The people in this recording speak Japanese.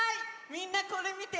みんなこれみて！